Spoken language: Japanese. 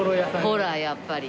ほらやっぱり。